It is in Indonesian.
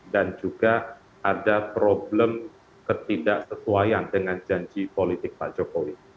dan juga ada problem ketidak sesuaian dengan janji politik pak jokowi